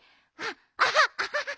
アハッアハハハ